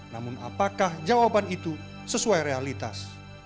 namun apakah jawaban itu sesuai realitas